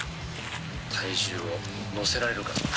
体重を乗せられるかどうか。